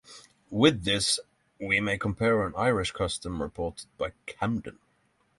With this we may compare an Irish custom reported by Camden.